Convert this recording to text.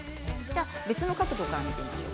別の角度から見てみましょう。